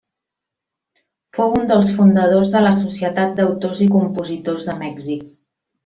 Fou un dels fundadors de la Societat d'Autors i Compositors de Mèxic.